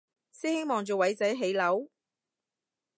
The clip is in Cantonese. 師兄望住偉仔起樓？